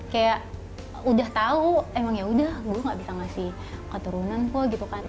kayak udah tau emang yaudah gue gak bisa ngasih keturunan kok gitu kan